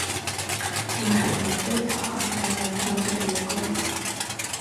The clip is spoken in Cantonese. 唉，我都頭痕緊揾份乜嘢工